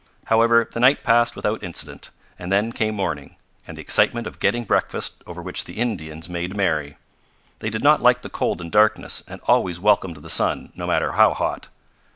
However the night passed without incident, and then came morning and the excitement of getting breakfast, over which the Indians made merry. They did not like the cold and darkness, and always welcomed the sun, no matter how hot.